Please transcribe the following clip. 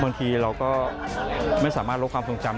บางทีเราก็ไม่สามารถลดความทรงจำ